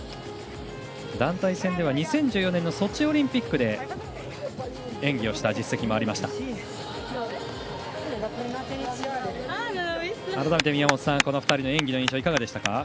団体戦では２０１４年ソチオリンピックで演技をした実績もありました。